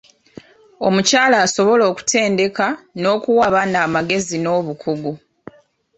Omukyala asobola okutendeka n'okuwa abaana amagezi n'obukugu.